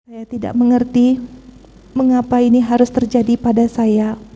saya tidak mengerti mengapa ini harus terjadi pada saya